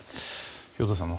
兵頭さん